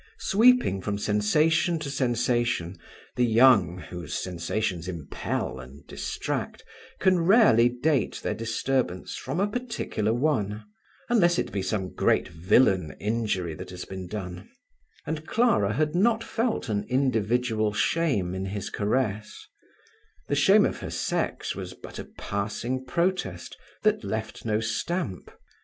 Sweeping from sensation to sensation, the young, whom sensations impel and distract, can rarely date their disturbance from a particular one; unless it be some great villain injury that has been done; and Clara had not felt an individual shame in his caress; the shame of her sex was but a passing protest, that left no stamp.